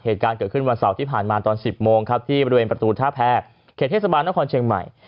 เหตุการณ์เกิดขึ้นวันเสาร์ที่ผ่านมาตอน๑๐โมงครับที่บริเวณประตูท่าแพรเขตเทศบาลนครเชียงใหม่